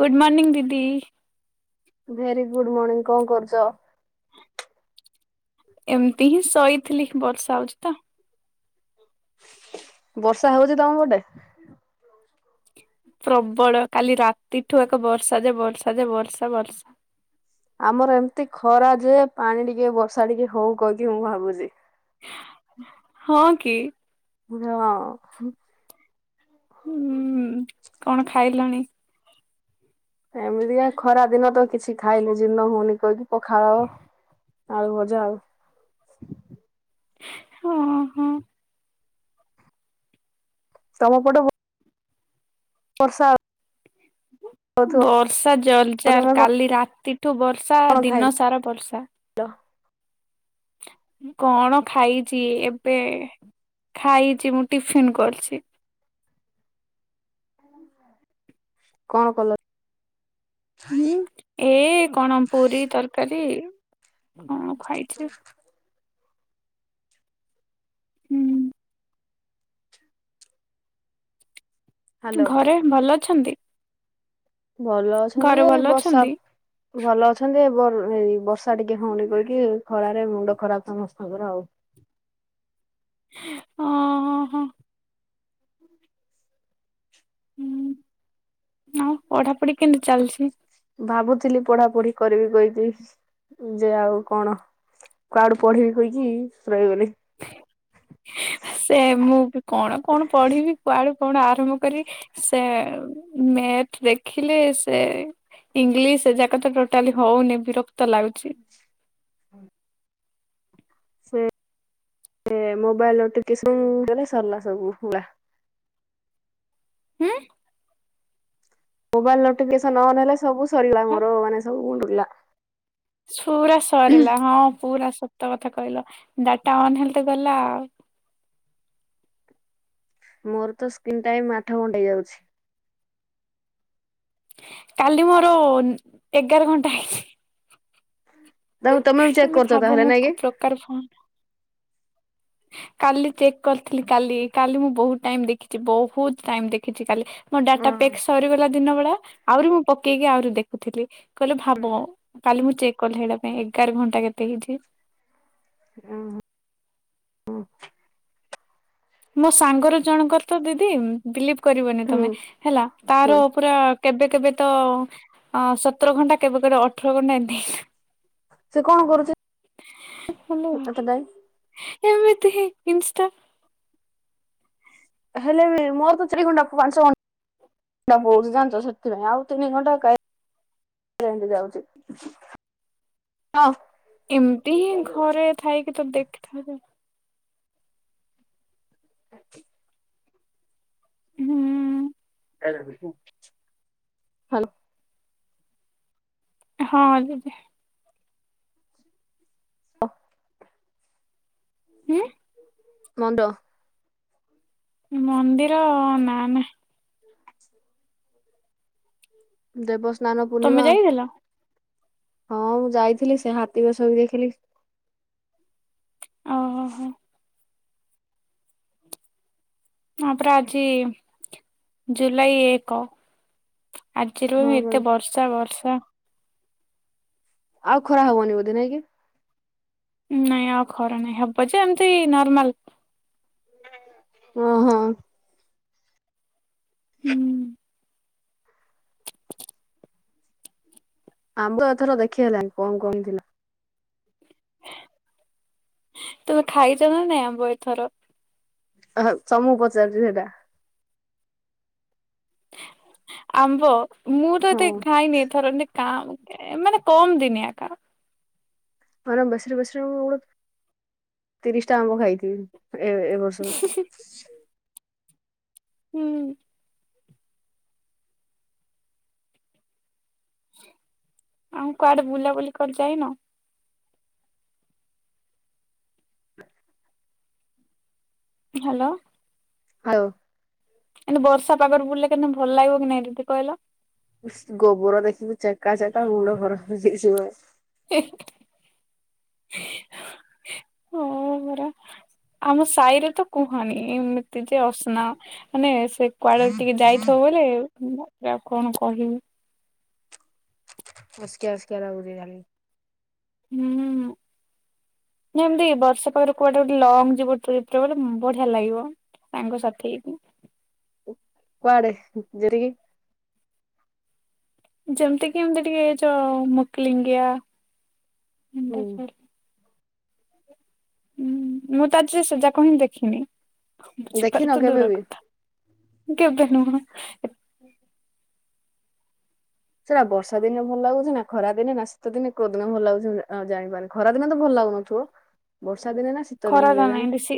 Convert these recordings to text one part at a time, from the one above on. ଗୁଡ଼ ମର୍ନିଂ ଦିଦି। Very good morning. କଣ କରୁଛ? ଏମତି ହିଁ ଶୋଇଥିଲି ବର୍ଷା ହଉଚି ତ। ବର୍ଷା ହଉଛି ତମ ପଟେ। ପ୍ରବଳ କାଲି ରାତିଠୁ ଏକ ବର୍ଷା ଯେ ବର୍ଷା ଯେ ବର୍ଷା ବର୍ଷା। ଆମର ଏମିତି ଖରା ଯେ ପାଣି ଟିକେ ବର୍ଷା ଟିକେ ହଉ କଇକି ମୁଁ ଭାବୁଚି। ହଁ କି? ହଁ ଅ। ହୁଁ କଣ ଖାଇଲଣି? ଏମିତିକା ଖରା ଦିନ ତ କିଛି ଖାଇନି ଜିିର୍ଣ ହଉନି କହିକି ପଖାଳ ଆଳୁ ଭଜା ଆଉ। ହଁ ହଁ। ତମପଟ ବର୍ଷା ହଉଥିବ ବର୍ଷା ଯୋରଜାର ତମେ କାଲି ରାତିଠୁ ବର୍ଷା ଦିନ ସାରା ବର୍ଷା। ତ। କଣ ଖାଇଛି ଏବେ ଖାଇଛି ମୁଁ ଟିଫିିନ କରିଛି। କଣ କଲ? ହୁଁ ଏ କଣ ପୁରୀ ତରକାରୀ କଣ ଖୁଆାଇଛ। ହୁଁ। ହ୍ୟାଲୋ ଘରେ ଭଲ ଅଛନ୍ତି। ଭଲ ଅଛନ୍ତି ଘରେ ଯେ ଏଇ ଭଲ ବର୍ଷା ଅଛନ୍ତି ଭଲ ଅଛନ୍ତି ଏ ଏ ବର ବର୍ଷା ଟିକେ ହଉନି କହିକି ଖରାରେ ମୁଣ୍ଡ ଖରାପ ସମସ୍ତଙ୍କର ଆଉ। ଓ ହ ହୋ। ହୁଁ। ଚାଲିଛି? ଭାବୁଥିଲି ପଢାପଢି କରିବି କହିକି ଯେ ଆଉ କଣ। କୁଆଡୁ ପଢିବି କହିକି ରହିଗଲି। ସେ ମୁଁ ବି କଣ କଣ ପଢିବି କୁଆଡୁ କଣ ଆରମ୍ଭ କରିବି। ସେ ମେଥ ଦେଖିଲେ ସେ ଇଂଲିଶି ସେ ଯାକ ତ ଟୋଟାଲି ହଉନି ବିରକ୍ତ ଲାଗୁଛି। ସେ ମୋବାଇଲିନୋ ଟିବିକେସନ ଦେଲେ ସରିଲା ସବୁୁମୂଳା। ଉଁ? ମୋବାଇଲି ନୋଟିଫିକେ ସନ୍ ଅନ୍ ହେଲେ ସବୁ ସରିଲା ମୋର ମାନେ ସବୁ ଉଲା। ସୁରା ସରିଲା ହଁ ପୁରା ସତ କଥା କହିଲ ଡାଟା ଅନ ହେଲ ଗଲା ଆଉ। ମୋର ତ ସ୍କିିନ ଟାଇମ୍ ଆଠ ଘଣ୍ଟା ହେଇଯାଉଛି। କାଲି ମୋର ଏଗାର ଘଣ୍ଟା ହେଇଛି। ତା ତମେ ବି [unintelligible] ତା ହେଲେ ଭାବ ତାହେଲେ ମୁଁ ନାଇଁ କି? କୁ ପ୍ରକାର ଫୋନ କାଲି ଚେକ୍ କରିଥିଲି କାଲି କାଲି ମୁଁ ବହୁତ ଟାଇମ ଦେଖିଛି ବହୁତ ଟାଇମ ଦେଖିଛି କାଲି। ମୋ ହୁଁ ଡାଟା ପ୍ୟାକ୍ ସରିଗଲା ଦିନ ବେଳା ଆହୁରି ମୁଁ ପକେଇକି ଆହୁରି ଦେଖୁଥିଲି। କହିଲେ ଭାବ କାଲି ମୁଁ ଚେକ୍ କଲି ହେଇଟା ପାଇଁ ଏଗାର ଘଣ୍ଟା କେତେ ହେଇଛି। ଉହୁଁ ହୁଁ। ମୋ ସାଙ୍ଗର ଜଣଙ୍କର ତ ଦିଦି ବିଲିଭି କରିବନି ତମେ ହେଲା ହୁଁ ତାର ପୁରା କେବେ କେବେ ତ ଅ ସତର ଘଣ୍ଟା କେବେ କେବେ ଅଠର ଘଣ୍ଟା ଏମିତି ସେ କଣ କରୁଛି ହଲ ଏତେ [unintelligible] ଟାଇମ୍? ଏମିତି ହିଁ ଇନିଷ୍ଟା। ହେଲେ ବି ମୋର ତ ଚାରି ଘଣ୍ଟା ପାଞ୍ଚ ଘ ତା ବହୁ ଜାଛ ସେଥିପାଇ ଆଉ ତିନି ଘଣ୍ଟା କାଇ [unintelligible] ଯାଉଚି ହଁ। ଏମତି ହିଁ ଘରେ ଥାଇକି ତ ଦେଖିଥାନ୍ତେ। ହୁଁ। [unintelligible] ହାଲୋ ହଁ ଦିଦି। [inaudible] ଉୁଁ। ମଣ୍ଡ ମନ୍ଦିର ନା ନାଇଁ। ଦେବସ୍ନାନ ତମେ ପୂର୍ଣ୍ଣିମା ଯାଇଥିଲ ହଁ ମୁଁ ଯାଇଥିଲି ସେ ହାତୀ ବେଶ ବି ଦେଖିଲି। ଓହୋ ହୋ ହୋ। ହ ପରା ଆଜି ଜୁଲାଇ ଏକ। ଆଜିରୁ ହଁ ଏତେ ବର୍ଷା ବର୍ଷା। ଆଉ ଖରା ହବନି ବୋଧେ ନାଇଁ କି? ନାଇଁ ଆଉ ଖରା ନାଇଁ ହବ ଯେ ଏମିତି ନର୍ମାଲ। ଓ ହୋ। ହୁଁ ଆମ୍ବ ଏଥର ଦେଖି ହେଲାଣି କଣ କଣ ହେଇଥିଲା? ତମେ ଖାଇଛ ନା ନାଇଁ ଆମ୍ବ ଏଥର? ଅ ହ ତମକୁ ପଚାରୁଛି ସେଇଟା। ଆମ୍ବ ମୁଁ ତ ହଁ ଏତେ ଖାଇନି ଏ ଥରକ କା ମାନେ କମ ଦିନିଆ କା ମାନେ ବେଶରୁ ବେଶିରୁ ଗୋଟେ ତିରିଶ ଟା ଆମ୍ବ ଖାଇଥିବି ଏ ଏ ବର୍ଷ। ହୁଁ। ଆଉ କୁଆଡେ ବୁଲାବୁଲି କରି ଯାଇନ? [inaudible] ହ୍ୟାଲୋ। [unintelligible] କିନ୍ତୁ ବର୍ଷା ପାାଗରୁ ବଡିଲେ କେମୁ ଭଲ ଲାଗିବ କି ନାଇଁଦି କହିଲା? ଗୋବର ଦେଖିବୁ ଚେକା ଚେକା ଗୁଡ ଭର ହେଇଯିବ। [unintelligible] ହ ହରା ଆମ ସାହିରେ ତ କୁହନି ଏମିତି ଯେ ଅସ୍ ନା ମାନେ ସେ କୁଆଡେ ଟିକେ ଯାଇଥିବ ବଉଲେ କଣ କହିବି? ଅସସ୍କାଆ ଓସ୍କଆ ଲାଗୁଛି ଖାଲି। ନା ଏମତି ବର୍ଷା ପାଗରେ କୁଆଡେ ଗୋଟେ ଲଙ୍ଗ ଯିବ ଟ୍ରିବଟେ ମାନେ ବଢିଆ ଲାଗିବ। ସାଙ୍ଗ ସାଥୀ ହେଇକି। କୁଆଡ଼େ ଜରିଗ ହୁଁ [unintelligible] ହୁଁ ମୁଁ ତ ଆଜି ସେ ଯାକ ହିଁ ଦେଖିନି ଦେଖିନ ବୁଝିପାରୁଛ କେବେ ଦୂର ବି? କଥା। କେବେ ନୁହଁ। ହୁଁ। ସେଟା ବର୍ଷା ଦିନେ ଭଲ ଲାଗୁଛି ନା ଖରା ଦିନେ ନା ଶୀତ ଦିନେ କୋଉ ଦିନ ଭଲ ଲାଗୁଛି ଆ ଜଣିପାରୁନି। ଖରା ଦିନେ ତ ଭଲ ଲାଗୁନ ଥୁବ ବର୍ଷା ଦିନେ ନା ଶୀତ ଖରା ଦିନେ ତା କେଜାଣି? ନାହିଁ ବେଶୀ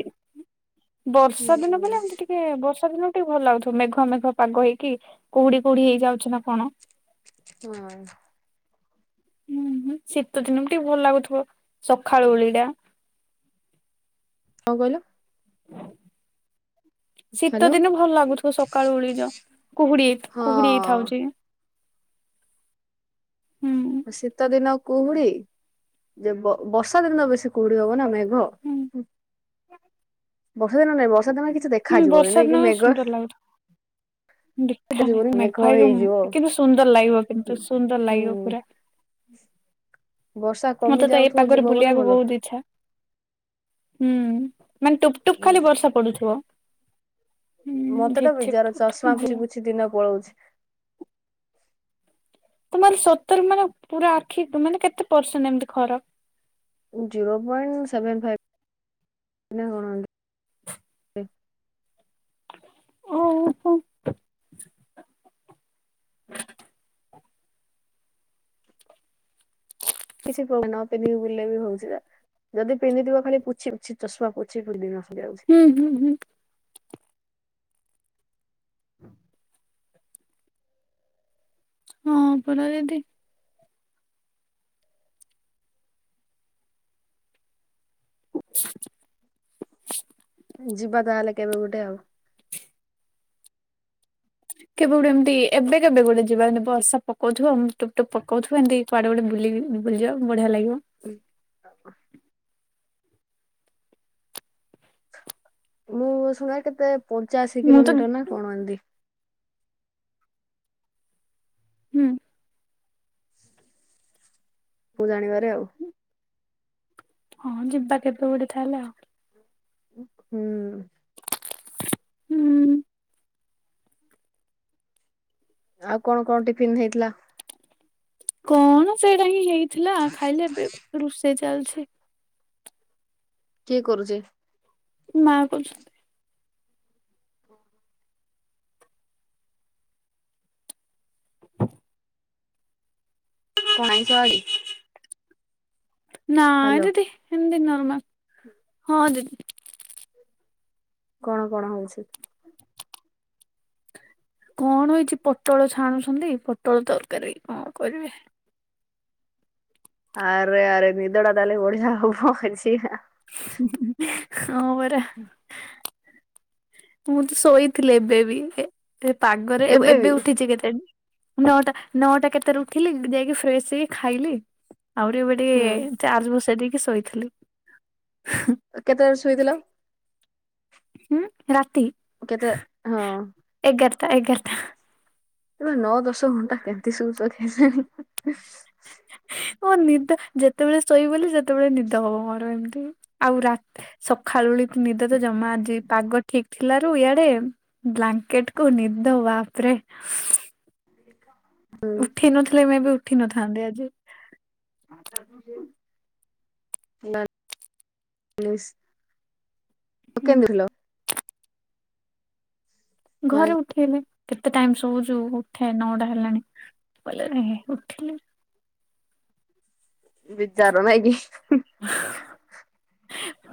ବର୍ଷା ଦିନ ବୋଲି ହୁଁ ଏମିତି ଟି ସେ ବର୍ଷା ଦିନ ଟିକେ ଭଲ ଲାଗୁଥିବ ମେଘ ମେଘ ପାଗ ହେଇକି କୁହୁଡି କୁହୁଡି ହେଇଯାଉଛି ନା କଣ? ହଁ। ହୁଁ ହୁଁ ଶୀତ ଦିନ ବି ଟିକେ ଭଲ ଲାଗୁଥିବ ସକାଳୁ ଉଳିଟା। କଁ କହିଲ? ଶୀତ ହ୍ୟାଲୋ ଦିନ ଭଲ ଲାଗୁଥିବ ସକାଳୁ ଉଳିଯ କୁହୁଡି କୁହୁଡି ହେଇ ହଁ। ଥାଉଛି। ହୁଁ ଶୀତ ଦିନ କୁହୁଡି ଯେ ବ ବର୍ଷା ଦିନ ତ ବେଶୀ କୁହୁଡି ହବ ନା ମେଘ। ହୁଁ ବର୍ଷା ଦିନ ନାଇଁ ବର୍ଷା ଦିନ କିଛି ହୁଁ ଦେଖାଯିବନି ବର୍ଷା ନାଇଁ କି ଦିନ ମେଘ? ସୁନ୍ଦର ଲାଗୁଥିବ ଦେଖା ଦେଖାଯିବନି ମେଘ ମମୁ। ହେଇଯିବ। କିନ୍ତୁ ସୁନ୍ଦର ଲାଗିବ କିନ୍ତୁ ସୁନ୍ଦର ହୁଁ ଲାଗିବ ପୁରା। ବର୍ଷା କମି ମତେ ତ ଏ ଯାଉଥିବ ପାଗରେ ଯିବ ବୋଲେ ବୁଲିବାକୁ ଭଲ। ବହୁତ ଇଚ୍ଛା। ହୁଁ। ମାନେ ଟୁପ୍ ଟୁପ୍ ଖାଲି ବର୍ଷା ପଡୁଥିବ। ହୁଁ ମତେ ତ ଝିପ୍ ଝିପ୍ ବିଜାର ଟୁପ୍ ଟୁପ୍ ଭଲ ଚଶମାପୋଛି ପୋଛି ଦିନ ପଳଉଛି। ତମର ସତର ମାନେ ପୁରା ଆଖି ମାନେ କେତେ ପରସେଣ୍ଟ୍ ଏମିତି ଖରାପ୍? ଜିରୋ ପଏଣ୍ଟ ସେଭେନ୍ ଫାଇଭ୍ ମାନେ କଣ ଏମିତି? [inaudible] [unintelligible] କିଛି ନ ପିନ୍ଧିବି ବୁଲେ ବି ଭାବୁଚ। ଯଦି ପିନ୍ଧିଥିବ ଖାଲି ପୋଛିଛି ଚାଷମା ପୋଛି ପିନ୍ଧିବ ଯାଉଛି। ହୁଁ ହୁଁ ହୁଁ। ହୁଁ। ହଁ ପରା ଦିଦି। [inaudible] ଯିବା ତାହେଲେ କେବେ ଗୋଟେ ଆଉ। କେବେ ଗୋଟେ ଏମତି ଏବେ କେବେ ଗୋଟେ ଯିବା ବର୍ଷା ପକଉଥିବ। ଟୁପ୍ ଟୁପ୍ ପକଉଥିବ ଏମତି କୁଆଡେ ଗୁଟେ ବୁଲିବି ବୁଲିଯିବା ବଢିଆ ଲାଗିବ। ହ [unintelligible] ମୁଁ ସୁଣା କେତେ ପଞ୍ଚାଅଶୀ ମୁଁ ତ କିଲୋମିଟର ନା କଣ ଏମିତି। ହୁଁ। ମୁଁ ଜାଣିବାରେ ଆଉ। ହଁ ଯିବା କେବେ ଗୋଟେ ତାହାଲେ ଆଉ। ହୁଁ। ହୁଁ। ଆଉ କଣ କଣ ଟିଫିନ ଦିଆହେଇଥିଲା? କଣ ସେଇଟା ହିଁ ହେଇଥିଲା ଖାଇଲି ଏବେ ରୋଷେଇ ଚାଲଛି। କିଏ କରୁଚେ? ମା କରୁଛି। କଣ ଆଇଁଷ ଆଜି? ନାଁ ହାଲୋ ଦିଦି ଏମିତି ନର୍ମାଲ ହଁ ଦିଦି। କଣ କଣ ହଉଛି? କଣ ହେଇଛି? ପୋଟଳ ଛାଣୁଛନ୍ତି ପୋଟଳ ତରକାରୀ କଣ କରିବେ। ଆରେ ଆରେ ନିଦଟା ତାହାଲେ ବଢ଼ିଆ ହବ ଆଜି ଆଉ। ହିଁ ପରା। [inaudible] ମୁଁ ତ ଶୋଇଥିଲି ଏବେ ବି ଏ ପାଗରେ ଏ ଏବେ ଉଠିଛି କେତେ ନଅଟା ନଅଟା କେତେରେ ଉଠିଲି ଯାଇକି ଫ୍ରେସ୍ ହେଇକି ଖାଇଲି। ଆହୁରି ଏବେ ହୁଁ। ଟିକେ ଚାର୍ଜ ବସେଇ ଦେଇକି ଶୋଇଥିଲି। କେତେ ଟାରେ ଶୋଇଥିଲ? ହୁଁ ରାତି? କେତଟା ହଁ ଏଗାରଟା ଏଗାରଟା। ଆବେ ନଅ ଦଶ ଘଣ୍ଟା କେମିତି ଶୋଉଚ କେଜାଣି। ହଁ ନିଦ ଯେତେବେଳେ ଶୋଇଗଲି ସେତେବେଳେ ନିଦ ହବ ମୋର ଏମିତି ଆଉ ରାତି ସଖାଳୁ ଓଳି ନିଦ ତ ଜମା ଆଜି ପାଗ ଠିକ୍ ଥିଲାରୁ ଇଆଡେ ବ୍ଲାଙ୍କେଟକୁ ନିଦ ବାପରେ। ଏକାମା। ଉଠେଇ ନଥିଲେ ମୁଁ ଏବେ ଉଠି ନଥାନ୍ତି ଆଜି। ନା [unintelligible] ହୁଁ କେନ୍ତି ଉଠିଲ? ମାନେ ଘରେ ଉଠେଇଲେ। କେତେ ଟାଇମ ଶୋଉଚୁ ଉଠେ ନଅଟା ହେଲାଣିି କହିଲେ ଉଠିଲି। ବିଚାର ନାଇଁ କି।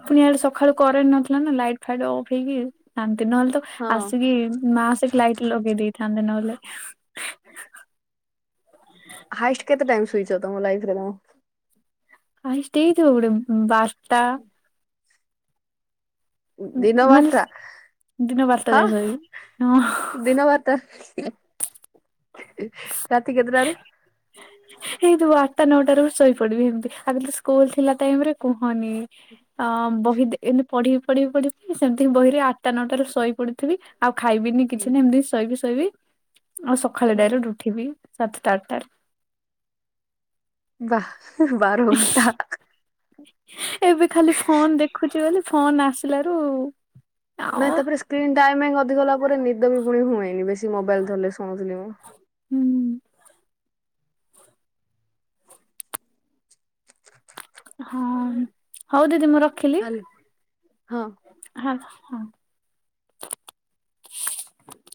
ପୁଣି ଆଡେ ସକାଳୁ କରେଣ୍ଟ ନଥିଲା ନା ଲାଇଟ୍ ଫାଇଟ ଅଫ୍ ହେଇକି ଶାନ୍ତି, ନହେଲେ ତ ହଁ। ଆସିକି ମା ସେଠୁ ଲାଇଟ୍ ଲଗେଇ ଦେଇଥାନ୍ତେ ନହେଲେ। ହାଏଷ୍ଟ କେତେ ଟାଇମ୍ ଶୋଇଛ ତମ ଲାଇଫ୍ ରେ ତମେ? ହାଏଷ୍ଟ ହେଇଥିବ ଗୋଟେ ବାରଟା। ଦିନ ମାନେ ବାରଟା। ଦିନ ବାରଟା ହଁ ଯାଏ ଶୋଇବି। ହଁ ଦିନ ବାରଟା। ରାତି କେତେ ଟାରୁ? ଏଇ ଯୋଉ ଆଠଟା ନଅଟା ରୁ ଶୋଇ ପଡିବି ଏମତି, ଆଗରୁ ସ୍କୁଲ ଥିଲା ଟାଇମ ରେ କୁହନି। ଅ ବହି ଏମିତି ପଢିବି ପଢି ପଢିବି ସେମିତି ବହିରେ ଆଠଟା ନଅଟାରୁ ଶଇ ପଡିଥିବି। ଆଉ ଖାଇବିନି କିଛି ନା, ଏମିତି ଶୋଇବି ଶୋଇବି ଆଉ ସକାଳେ ଡାରେକ୍ଟ ଉ ଉଠିବି ସାତଟା ଆଠଟାରେ। ବା ବାରଘଣ୍ଟା। ଏବେ ଖାଲି ଫୋନ ଦେଖୁଛି ବୋଲି ଫୋନ ଆସିଲାରୁ ନାଇଁ ଆଉ ତାପରେ ସ୍କ୍ରିନ୍ ଟାଇମିଙ୍ଗ ଅଧିକ ଗଲା ପରେ, ନିଦ ବି ପୁଣି ହୁଏନି ବେଶୀ ମୋବାଇଲ ଧରିଲେ ଶୁଣିଥିଲି ମୁଁ। ହୁଁ ହଁ ହଉ ଦିଦି ମୁଁ ରଖିଲି ହାଲୋ ହଁ। ହ।